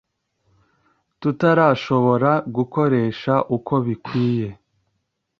tutarashobora gukoresha uko bikwiye